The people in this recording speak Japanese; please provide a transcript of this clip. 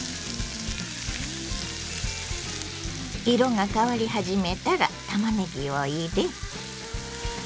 色が変わり始めたらたまねぎを入れ。